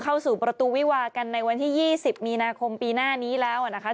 เข้าสู่ประตูวิวากันในวันที่๒๐มีนาคมปีหน้านี้แล้วนะคะ